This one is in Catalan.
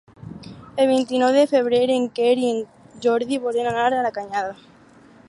El vint-i-nou de febrer en Quer i en Jordi volen anar a la Canyada.